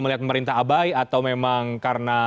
melihat pemerintah abai atau memang karena